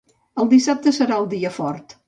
El dissabte serà el dia fort.